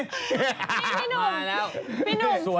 นี่มาแล้ว